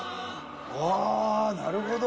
あなるほど。